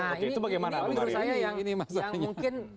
nah ini menurut saya yang ini